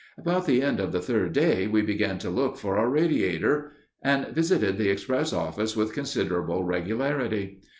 About the end of the third day we began to look for our radiator, and visited the express office with considerable regularity.